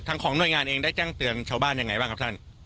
ของหน่วยงานเองได้แจ้งเตือนชาวบ้านยังไงบ้างครับท่าน